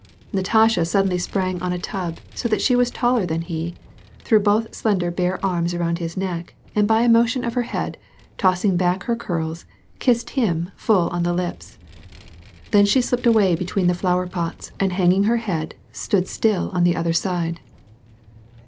Natasha suddenly sprang on a tub, so that she was taller than he, threw both slender bare arms around his neck, and by a motion of her head, tossing back her curls, kissed him full in the lips. Then she slipped away between the flower pots, and hanging her head, stood still on the other side.